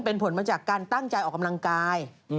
เป็นผลมาจากการตั้งใจออกกำลังกาย